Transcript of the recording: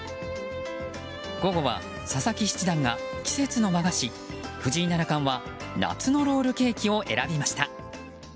午後は佐々木七段が季節の和菓子藤井七冠は夏のロールケーキを選びました。